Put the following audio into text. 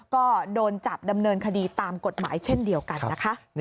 ก็โดนจับดำเนินคดีตามกฎหมายเช่นเดียวกันนะคะ